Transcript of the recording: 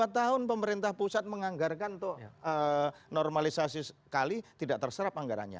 dua tahun pemerintah pusat menganggarkan normalisasi sekali tidak terserap anggarannya